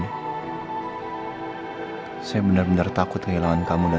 hai sebenarnya takut kehilangan kamu dan